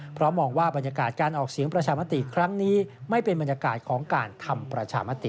เพราะมองว่าบรรยากาศการออกเสียงประชามติครั้งนี้ไม่เป็นบรรยากาศของการทำประชามติ